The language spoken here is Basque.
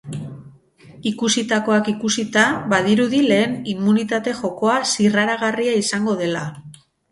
Ikusitakoak ikusita, badirudi lehen immunitate jokoa zirraragarria izango dela.